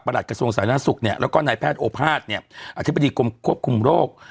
หลักกระทรวงสาธารณสุขเนี่ยแล้วก็นายแพทย์โอภาษย์เนี่ยอธิบดีกรมควบคุมโรค